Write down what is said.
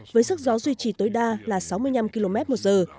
với sức gió duy trì tối đa là sáu mươi năm km một giờ